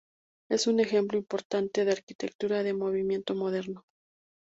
Es un ejemplo importante ""de arquitectura del Movimiento Moderno.